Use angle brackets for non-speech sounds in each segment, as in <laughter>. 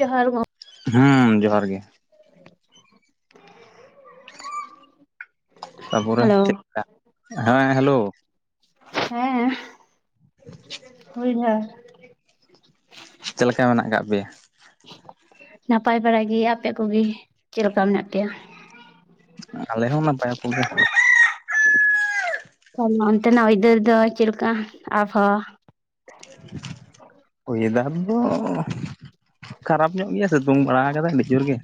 ᱡᱚᱦᱟᱨ ᱜᱚᱼᱼ ᱦᱚᱸ ᱡᱚᱦᱟᱨ ᱜᱮ ᱛᱟᱯᱚᱨᱮ ᱦᱮᱞᱳ ᱪᱮᱫᱠᱟ ᱦᱮᱸ ᱦᱮᱞᱳ ᱦᱮᱸ <inaudible> ᱪᱮᱫ ᱞᱮᱠᱟ ᱢᱮᱱᱟᱜ ᱟᱠᱟᱫ ᱯᱮᱭᱟ? ᱱᱟᱯᱟᱭ ᱵᱟᱲᱟ ᱜᱮ, ᱟᱯᱮ ᱠᱚᱜᱮ ᱪᱮᱫᱞᱮᱠᱟ ᱢᱮᱱᱟᱜ ᱯᱮᱭᱟ? ᱟᱞᱮ ᱦᱚᱸ ᱱᱟᱯᱟᱭ ᱦᱟᱛᱟᱲ ᱜᱮ ᱚᱱᱛᱮ ᱱᱟᱜ ᱟᱹᱭᱫᱟᱨ ᱫᱚ ᱪᱮᱫᱞᱮᱠᱟ ᱟᱯᱷᱟ? ᱩᱭᱫᱟᱨ ᱫᱚ ᱠᱷᱟᱨᱟᱯ ᱧᱚᱜ ᱜᱮᱭᱟ ᱥᱤᱛᱩᱝ ᱵᱟᱲᱟ ᱟᱠᱟᱫᱟᱭ ᱟᱹᱰᱤ ᱡᱳᱨ ᱜᱮ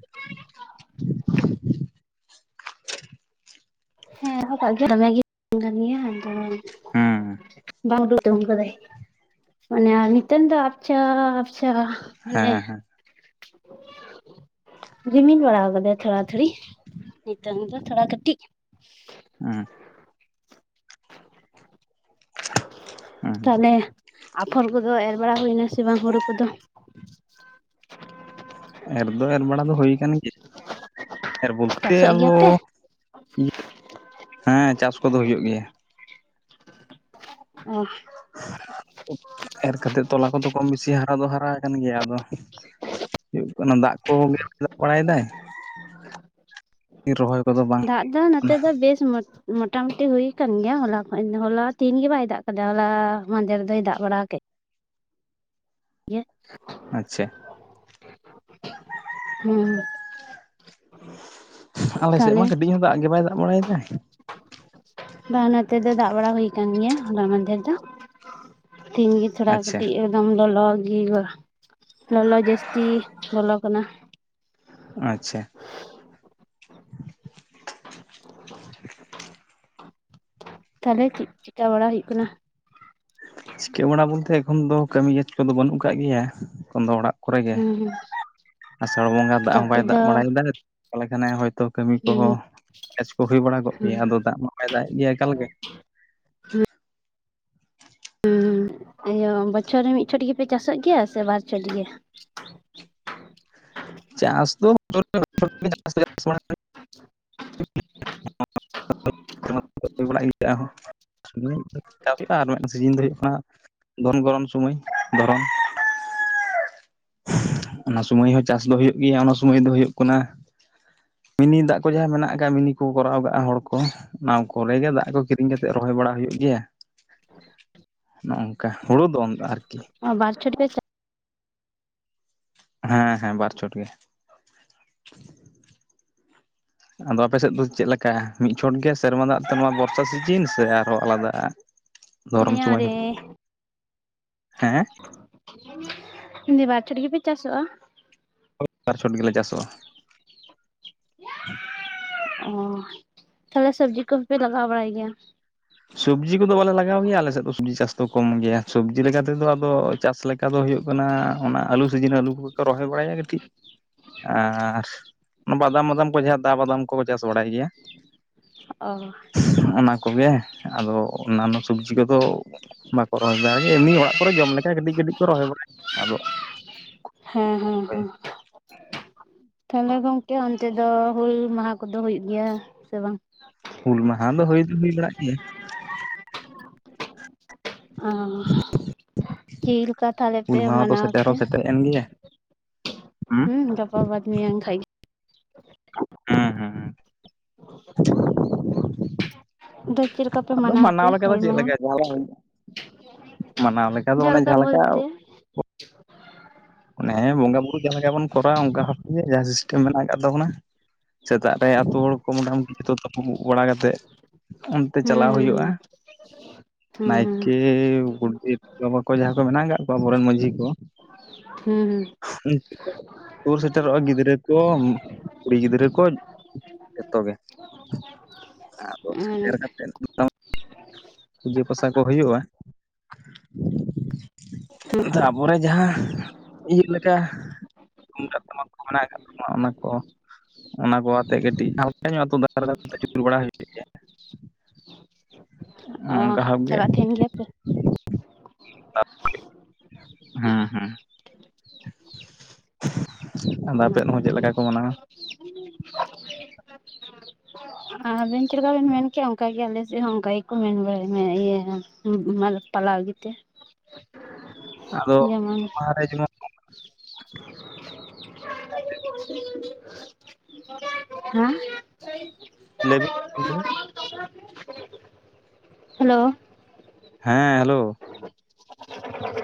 <unintelligible> ᱥᱤᱛᱩᱝ ᱦᱩᱸ ᱠᱟᱫᱟᱭ ᱢᱟᱱᱮ ᱱᱤᱛᱚᱝ ᱫᱚ ᱟᱪᱪᱷᱟᱼᱼ ᱟᱪᱪᱷᱟ ᱢᱟᱱᱮ ᱦᱮᱸ ᱦᱮᱸ <unintelligible> ᱨᱤᱢᱤᱱ ᱵᱟᱲᱟᱣ ᱠᱟᱫᱟᱭ ᱛᱷᱚᱲᱟ ᱛᱷᱩᱲᱤ ᱱᱤᱛᱚᱝ ᱫᱚ ᱛᱷᱚᱲᱟ ᱠᱟᱹᱴᱤᱡ <unintelligible> ᱦᱩᱸ ᱛᱟᱦᱞᱮ ᱟᱯᱷᱚᱨ ᱠᱚᱫᱚ ᱮᱨ ᱵᱟᱲᱟ ᱦᱩᱭᱱᱟ ᱥᱮ ᱵᱟᱝ ᱦᱩᱲᱩ ᱠᱚᱫᱚ? ᱮᱨ ᱫᱚ ᱮᱨ ᱵᱟᱲᱟ ᱫᱚ ᱦᱩᱭ ᱠᱟᱱ ᱜᱮᱭᱟ ᱮᱨ ᱵᱚᱞᱛᱮ ᱪᱟᱥᱚᱜ ᱜᱮᱭᱟ ᱟᱫᱚᱼᱼ ᱯᱮ? ᱤᱭᱟᱹ ᱦᱮᱸ ᱪᱟᱥ ᱠᱚᱫᱚ ᱦᱩᱭᱩᱜ ᱜᱮᱭᱟ᱾ ᱚ ᱮᱨ ᱠᱟᱛᱮᱫ ᱛᱚᱞᱟ ᱠᱚᱫᱚ ᱠᱚᱢ ᱵᱮᱥᱤ ᱦᱟᱨᱟ ᱫᱚ ᱦᱟᱨᱟ ᱟᱠᱟᱱ ᱜᱮᱭᱟ ᱟᱫᱚᱼᱼ ᱦᱩᱭᱩᱜ ᱠᱟᱱᱟ ᱫᱟᱜ ᱠᱚ ᱠᱚᱭᱚᱜ ᱵᱟᱲᱟᱭ ᱫᱟᱭ᱾ ᱨᱚᱦᱚᱭ ᱠᱚᱫᱚ ᱵᱟᱝ ᱫᱟᱜ ᱫᱚ ᱱᱚᱛᱮ ᱠᱟᱱᱟ᱾ ᱫᱚ ᱵᱮᱥ ᱢᱟᱹ ᱢᱚᱴᱟ ᱢᱩᱴᱤ ᱦᱩᱭ ᱟᱠᱟᱱ ᱜᱮᱭᱟ ᱦᱚᱞᱟ ᱠᱷᱚᱡ ᱦᱚᱞᱟ ᱛᱤᱦᱤᱧ ᱜᱮ ᱵᱟᱭ ᱫᱟᱜ ᱠᱟᱫᱟ ᱦᱚᱞᱟ ᱢᱟᱱᱫᱷᱮᱨ ᱫᱚᱭ ᱫᱟᱜ ᱵᱟᱲᱟ ᱠᱮᱫ ᱜᱮ ᱟᱪᱪᱷᱟ ᱦᱮᱸ ᱟᱞᱮ ᱥᱮᱫ ᱢᱟ ᱛᱟᱦᱚᱞᱮ ᱠᱟᱹᱴᱤᱡ ᱦᱚᱸ ᱫᱟᱜ ᱜᱮ ᱵᱟᱭ ᱫᱟᱜ ᱵᱟᱲᱟᱭᱮᱫᱟ᱾ ᱵᱟᱝ ᱱᱚᱛᱮ ᱫᱚ ᱫᱟᱜ ᱵᱟᱲᱟ ᱦᱩᱭ ᱠᱟᱱ ᱜᱮᱭᱟ ᱦᱚᱞᱟ ᱢᱟᱦᱚᱫᱷᱮᱨ ᱫᱚ᱾ <unintelligible> ᱛᱷᱚᱲᱟ ᱟᱪᱪᱷᱟ ᱠᱟᱹᱴᱤᱡ ᱮᱠᱫᱚᱢ ᱞᱚᱞᱚ ᱜᱮ ᱦᱩᱭᱩᱜᱼᱟ ᱞᱚᱞᱚ ᱡᱟᱹᱥᱛᱤ ᱞᱚᱞᱚ ᱠᱟᱱᱟ ᱟᱪᱪᱷᱟ <unintelligible> ᱛᱟᱦᱚᱞᱮ ᱪᱮᱫ ᱪᱤᱠᱟᱹ ᱵᱟᱲᱟ ᱦᱩᱭᱩᱜ ᱠᱟᱱᱟ? ᱪᱤᱠᱟᱹ ᱵᱟᱲᱟ ᱵᱚᱞᱛᱮ ᱮᱠᱷᱚᱱ ᱫᱚ ᱠᱟᱹᱢᱤ ᱡᱟᱥᱛᱤ ᱠᱚᱫᱚ ᱵᱟᱹᱱᱩᱜ ᱟᱠᱟᱟᱜ ᱜᱮᱭᱟ ᱮᱠᱷᱚᱱ ᱫᱚ ᱚᱲᱟᱜᱼᱼ ᱦᱩᱸ ᱦᱩᱸ ᱟᱥᱟᱲ ᱵᱚᱸᱜᱟ ᱫᱟᱜ ᱛᱚ ᱦᱚᱸ ᱟᱯᱮ ᱵᱟᱭ ᱫᱟᱜ ᱫᱚ ᱵᱟᱲᱟᱭᱮᱫᱟ ᱛᱟᱦᱚᱞᱮ ᱠᱷᱟᱱᱮ ᱦᱚᱭᱛᱳ ᱠᱟᱹᱢᱤ ᱠᱚ ᱪᱟᱥ ᱠᱚ ᱦᱩᱭ ᱵᱟᱲᱟ ᱠᱚᱜ ᱜᱮᱭᱟ ᱟᱫᱚ ᱫᱟᱜ ᱢᱟ ᱵᱟᱭ ᱫᱟᱜᱮᱫ ᱜᱮᱭᱟ ᱮᱠᱟᱞ ᱜᱮ᱾ ᱦᱮᱸ ᱤᱭᱟᱹ ᱵᱚᱪᱷᱚᱨ ᱨᱮ ᱢᱤᱫ ᱪᱷᱚᱴ ᱜᱮᱯᱮ ᱪᱟᱥᱟᱜ ᱜᱮᱭᱟ ᱥᱮ ᱵᱟᱨ ᱪᱷᱚᱴ ᱜᱮ? ᱪᱟᱥ ᱫᱚ <unintelligible> <unintelligible> ᱦᱩᱭᱩᱜᱼᱟ ᱟᱨ ᱢᱤᱫᱴᱮᱱ ᱥᱤᱡᱤᱱ ᱫᱚ ᱦᱩᱭᱩᱜ ᱠᱟᱱᱟ ᱫᱷᱚᱱ ᱜᱚᱨᱚᱱ ᱥᱚᱢᱚᱭ ᱫᱷᱚᱨᱚᱢ ᱚᱱᱟ ᱥᱚᱢᱚᱭ ᱦᱚᱸ ᱪᱟᱥ ᱫᱚ ᱦᱳᱭᱳᱜ ᱜᱮᱭᱟ ᱚᱱᱟ ᱥᱚᱢᱚᱭ ᱫᱚ ᱦᱳᱭᱩᱜ ᱠᱟᱱᱟᱼᱼ ᱢᱤᱱᱤ ᱫᱟᱜ ᱠᱚ ᱡᱟᱦᱟᱸ ᱢᱮᱱᱟᱜ ᱟᱠᱟᱫ ᱢᱤᱱᱤ ᱠᱚ ᱠᱚᱨᱟᱣ ᱠᱟᱜᱼᱟ ᱦᱚᱲ ᱠᱚ, ᱚᱱᱟ ᱠᱚᱨᱮ ᱜᱮ ᱫᱟᱜ ᱠᱚ ᱠᱤᱨᱤᱧ ᱠᱟᱛᱮᱜ ᱨᱚᱦᱚᱭ ᱵᱟᱲᱟ ᱦᱩᱭᱩᱜ ᱜᱮᱭᱟ᱾ ᱱᱚᱝᱠᱟ ᱦᱩᱲᱩ ᱫᱚ ᱟᱨᱠᱤ ᱚ ᱵᱟᱨ ᱪᱷᱚᱴ ᱯᱮ ᱪᱟᱥ ᱦᱮᱸ ᱦᱮᱸ ᱵᱟᱨ ᱪᱚᱴ ᱜᱮ᱾ ᱟᱫᱚ ᱟᱯᱮ ᱥᱮᱫ ᱫᱚ ᱪᱮᱫ ᱞᱮᱠᱟ ᱢᱤᱫ ᱪᱚᱴ ᱜᱮ ᱥᱮᱨᱢᱟ ᱫᱟᱜ ᱛᱮ ᱱᱚᱣᱟ ᱵᱚᱨᱥᱟ ᱥᱤᱡᱤᱱ ᱥᱮ ᱟᱨᱦᱚᱸ ᱟᱞᱟᱫᱟ? <unintelligible> ᱫᱷᱚᱨᱚᱱ ᱫᱮᱸᱭᱟᱸ ᱥᱚᱢᱚᱭ ᱦᱮᱸ ᱨᱮ ᱵᱟᱨ ᱪᱷᱚᱴ ᱜᱮᱯᱮ ᱪᱟᱥᱚᱜᱼᱟ? ᱵᱟᱨ ᱪᱷᱚᱴ ᱜᱮᱞᱮ ᱪᱟᱥᱚᱜᱼᱟ᱾ ᱚᱻ ᱛᱟᱦᱞᱮ ᱥᱚᱵᱡᱤ ᱠᱚᱦᱚᱸᱯᱮ ᱞᱟᱜᱟᱣ ᱵᱟᱲᱟᱭ ᱜᱮᱭᱟ? ᱥᱚᱵᱡᱤ ᱠᱚᱫᱚ ᱵᱟᱞᱮ ᱞᱟᱜᱟᱣ ᱜᱮᱭᱟ ᱟᱞᱮ ᱥᱮᱫ ᱫᱚ ᱥᱚᱵᱽᱡᱤ ᱪᱟᱥ ᱫᱚ ᱠᱚᱢ ᱜᱮᱭᱟ ᱥᱚᱵᱽᱡᱤ ᱞᱮᱠᱟ ᱛᱮᱫᱚ ᱟᱫᱚ ᱪᱟᱥ ᱞᱮᱠᱟ ᱫᱚ ᱦᱩᱭᱩᱜ ᱠᱟᱱᱟ ᱚᱱᱟ ᱟᱹᱞᱩ ᱥᱤᱡᱤᱱ ᱟᱹᱞᱩ ᱠᱚᱜᱮ ᱠᱚ ᱨᱚᱦᱚᱭ ᱵᱟᱲᱟᱭᱟ ᱠᱟᱹᱴᱤᱡ᱾ ᱟᱨ ᱵᱟᱫᱟᱢ ᱢᱟᱫᱟᱢ ᱠᱚ ᱡᱟᱦᱟᱸ ᱫᱟ ᱵᱟᱫᱟᱢ ᱠᱚ ᱪᱟᱥ ᱵᱟᱲᱟᱭ ᱜᱮᱭᱟ ᱚ ᱚᱱᱟ ᱠᱚᱜᱮ ᱦᱮᱸ ᱟᱫᱚ ᱚᱱᱟᱱᱚ ᱥᱚᱵᱡᱤ ᱠᱚᱫᱚ ᱵᱟᱠᱚ ᱨᱚᱦᱚᱭ ᱵᱟᱨᱟᱭ ᱜᱮᱭᱟ ᱢᱤᱪ ᱚᱲᱟᱜ ᱠᱚᱨᱮ ᱡᱚᱢ ᱞᱮᱠᱟ ᱠᱟᱹᱴᱤᱡ ᱠᱟᱹᱴᱤᱡ ᱠᱚ ᱨᱚᱦᱚᱭ ᱵᱟᱲᱟᱭ ᱜᱮᱭᱟ ᱟᱫᱚ᱾ ᱦᱮᱸ ᱦᱮᱸ ᱦᱟᱸ ᱛᱟᱦᱚᱞᱮ ᱜᱚᱝᱠᱮ ᱚᱱᱛᱮ ᱫᱚ ᱦᱩᱞ ᱢᱟᱦᱟ ᱠᱚᱫᱚ ᱦᱩᱭᱩᱜ ᱜᱮᱭᱟ ᱥᱮ ᱵᱟᱝ? ᱦᱩᱞ ᱢᱟᱦᱟᱸ ᱫᱚ ᱦᱩᱭ ᱫᱚ ᱦᱩᱭ ᱵᱟᱲᱟᱜ ᱜᱮᱭᱟ᱾ ᱟ ᱦᱟᱸ ᱦᱟᱸ ᱦᱟᱸ ᱪᱤᱞ ᱠᱟᱛᱷᱟᱞᱮ ᱦᱩᱞ ᱯᱮ ᱢᱟᱦᱟ ᱫᱚ ᱢᱟᱱᱟᱣ ᱥᱮᱴᱮᱨ ᱦᱚᱸ ᱛᱮ ᱥᱮᱴᱮᱨᱮᱱ ᱜᱮᱭᱟ ᱦᱩᱸ ᱦᱮᱸ ᱜᱟᱯᱟ ᱵᱟᱫᱽ ᱢᱮᱭᱟᱝ ᱠᱷᱟᱡ ᱜᱮ! ᱦᱚᱸ ᱦᱚᱸ ᱦᱚᱸ <unintelligible> ᱫᱳ ᱪᱮᱻᱞᱮᱠᱟ ᱯᱮ ᱢᱟᱱᱟᱣ ᱛᱮ ᱞᱮᱠᱟ ᱫᱚ ᱦᱩᱞ ᱪᱮᱫ ᱢᱟᱸᱦᱟᱸ ᱞᱮᱠᱟ ᱡᱟᱦᱟᱸ ᱢᱟᱱᱟᱣ ᱞᱮᱠᱟ ᱫᱚ ᱚᱱᱮ ᱡᱷᱟᱞᱠᱟ ᱡᱟᱦᱟᱸ ᱞᱮᱠᱟ ᱵᱚᱞᱛᱮ᱾ ᱚᱱᱮᱸ ᱵᱚᱸᱜᱟ ᱵᱩᱨᱩ ᱡᱟᱦᱟᱸ ᱞᱮᱠᱟ ᱵᱚᱱ ᱠᱚᱨᱟᱣᱟ ᱚᱱᱠᱟ ᱷᱟᱠ ᱜᱮ ᱡᱟᱦᱟᱸ ᱥᱤᱥᱴᱮᱢ ᱢᱮᱱᱟᱜ ᱟᱠᱟᱫ ᱛᱟᱵᱚᱱᱟ᱾ ᱥᱮᱛᱟᱜ ᱨᱮ ᱟᱹᱛᱩ ᱦᱚᱲ ᱠᱚ ᱢᱚᱴᱟᱢᱩᱴᱤ ᱡᱚᱛᱚ ᱛᱟᱯᱩ ᱵᱟᱲᱟ ᱠᱟᱛᱮᱫ ᱚᱱᱛᱮ ᱦᱩᱸ ᱪᱟᱞᱟᱣ ᱦᱩᱭᱩᱜᱼᱟ ᱦᱩᱸ ᱱᱟᱭᱠ ᱦᱩᱸ ᱠᱤ ᱜᱳᱰᱮᱛ ᱵᱟᱵᱟ ᱠᱚ ᱡᱟᱦᱟᱸ ᱠᱚ ᱢᱮᱱᱟᱜ ᱠᱟᱜ ᱠᱚᱣᱟ ᱟᱵᱚᱨᱮᱱ ᱢᱟᱺᱡᱷᱤ ᱠᱚ! ᱦᱩᱸ ᱦᱩᱸ ᱥᱩᱨ ᱥᱮᱴᱮᱨᱚᱜᱼᱟ ᱜᱤᱫᱽᱨᱟᱹ ᱠᱚ ᱠᱩᱲᱤ ᱜᱤᱫᱽᱨᱟᱹ ᱠᱚ ᱡᱚᱛᱚᱜᱮ ᱟᱫᱚ ᱦᱩᱸ ᱦᱩᱸ ᱦᱩᱸ ᱥᱮᱴᱮᱨ ᱠᱟᱛᱮ ᱫᱚ ᱯᱩᱡᱟᱹ ᱯᱟᱥᱟ ᱠᱚ ᱦᱳᱭᱳᱜᱼᱟ ᱛᱟ ᱟᱵᱚᱨᱮ ᱡᱟᱦᱟᱸ ᱤᱭᱟᱹᱜ ᱞᱮᱠᱟ ᱫᱩᱢᱫᱟᱜ ᱴᱟᱢᱟᱠ ᱠᱚ ᱢᱮᱱᱟᱜ ᱠᱟᱜ ᱛᱟᱵᱚᱱᱟ ᱚᱱᱟ ᱠᱚ ᱚᱱᱟ ᱠᱚ ᱟᱛᱮ ᱠᱟᱹᱴᱤᱡ ᱟᱪᱩᱨ ᱵᱟᱲᱟ ᱦᱩᱭᱩᱜ ᱜᱮᱭᱟ᱾ ᱚ ᱚᱱᱮ ᱚᱱᱠᱟ ᱦᱟᱜ ᱜᱮ! ᱪᱟᱞᱟᱜ ᱛᱟᱦᱮᱱ ᱜᱮᱭᱟ ᱯᱮ ᱦᱩᱸ ᱦᱩᱸ ᱟᱫᱚ ᱚ ᱟᱯᱮᱫ ᱦᱚᱸ ᱪᱮᱫ ᱞᱮᱠᱟ ᱠᱚ ᱢᱮᱱᱟ? ᱟᱵᱮᱱ ᱪᱮᱫᱞᱮᱠᱟ ᱵᱮᱱ ᱢᱮᱱ ᱠᱮᱜᱼᱟ ᱚᱱᱠᱟ ᱜᱮ ᱟᱞᱮ ᱪᱮ ᱦᱚᱸ ᱚᱱᱠᱟ ᱜᱮᱠᱚ ᱢᱮᱱ ᱵᱟᱲᱟᱭ ᱢᱮ ᱤᱭᱟᱹ ᱯᱟᱞᱟ ᱜᱮᱛᱮ᱾ <unintelligible> ᱟᱫᱚ ᱡᱮᱢᱚᱱ ᱚᱱᱟᱨᱮ ᱡᱮᱢᱚᱱ ᱦᱟᱸ ᱞᱟᱹᱵᱤᱡ ᱯᱤᱸᱰᱟ. ᱦᱮᱞᱳ ᱦᱮᱸ ᱦᱮᱞᱳ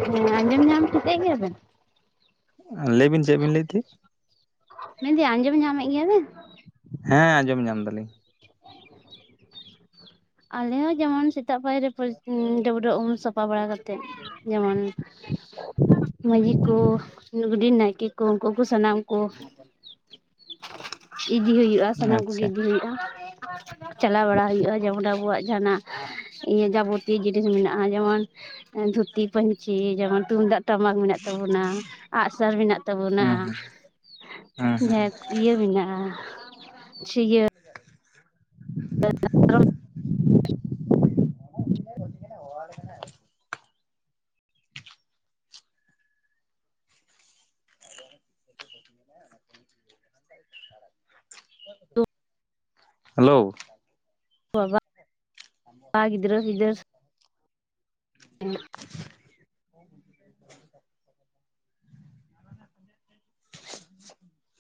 ᱦᱮᱸ ᱟᱸᱡᱚᱢ ᱧᱟᱢ ᱴᱷᱤᱠᱟᱹᱭᱮᱜ ᱜᱮᱭᱟ ᱵᱮᱱ? ᱞᱟᱹᱭ ᱵᱤᱱ ᱪᱮᱫ ᱵᱤᱱ ᱞᱟᱹᱭᱮᱫ ᱛᱟᱦᱮ? ᱢᱮᱱᱫᱤᱹᱧ ᱟᱸᱡᱚᱢ ᱧᱟᱢᱮᱫ ᱜᱮᱭᱟ ᱵᱮᱱ? ᱦᱮᱸ ᱟᱸᱡᱚᱢ ᱧᱟᱢ ᱫᱟᱞᱤᱧ᱾ ᱟᱞᱮ ᱦᱚᱸ ᱡᱮᱢᱚᱱ ᱥᱮᱛᱟᱜ ᱯᱟᱭᱟᱨ ᱨᱮ ᱰᱟᱹᱵᱽᱨᱟᱹᱜ ᱩᱢ ᱥᱟᱯᱷᱟ ᱵᱟᱲᱟ ᱠᱟᱛᱮᱜ ᱡᱮᱢᱚᱱ ᱢᱟᱹᱡᱤ ᱠᱚ ᱱᱩᱜᱰᱤ ᱱᱟᱭᱠᱮ ᱠᱚ ᱩᱱᱠᱩ ᱠᱚ ᱥᱟᱱᱟᱢ ᱠᱚ <inaudible> ᱤᱫᱤ ᱦᱩᱭᱩᱜᱼᱟ, ᱥᱟᱱᱟᱢ ᱠᱚᱜᱮ ᱟᱪᱪᱷᱟ ᱤᱫᱤ ᱦᱩᱭᱩᱜᱼᱟ, ᱪᱟᱞᱟᱣ ᱵᱟᱲᱟ ᱦᱩᱭᱩᱜᱼᱟ ᱡᱮᱢᱚᱱ ᱟᱵᱚᱣᱟᱜ ᱡᱟᱦᱟᱱᱟᱜ ᱤᱭᱟᱹ ᱡᱟᱵᱚᱛᱤᱭᱚ ᱡᱤᱱᱤᱥ ᱢᱮᱱᱟᱜᱼᱟ ᱡᱮᱢᱚᱱ ᱫᱷᱩᱛᱤ, ᱯᱟᱹᱧᱪᱤ ᱡᱮᱢᱚᱱ ᱛᱩᱢᱫᱟᱜ ᱴᱟᱢᱟᱠ ᱢᱮᱱᱟᱜ ᱛᱟᱵᱚᱱᱟ, ᱟᱜᱼᱥᱟᱨ ᱢᱮᱱᱟᱜ ᱛᱟᱵᱚᱱᱟ ᱦᱩᱸ ᱦᱩᱸ ᱦᱩᱸ ᱦᱩᱸ ᱡᱟᱦᱟᱸ ᱤᱭᱟᱹ ᱢᱮᱱᱟᱜᱼᱟ ᱪᱷᱤᱭᱟᱹ ᱪᱮᱫ ᱦᱚᱸ ᱵᱟᱝ ᱟᱸᱡᱚᱢᱚᱜ ᱠᱟᱱᱟ ᱦᱮᱞᱳ ᱵᱟᱵᱟ ᱵᱟ ᱜᱤᱫᱽᱨᱟᱹ ᱯᱤᱫᱟ. ᱨ ᱪᱮᱫ ᱦᱚᱸ ᱵᱟᱝ ᱟᱸᱡᱚᱢᱚᱜ ᱠᱟᱱᱟ ᱪᱮᱫ ᱦᱚᱸ ᱵᱟᱝ ᱟᱸᱡᱚᱢᱚᱜ ᱠᱟᱱᱟ